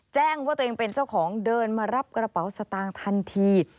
แจ้งว่าตัวเองเป็นเจ้าของเดินมารับกระเป๋าสตางค์ทันที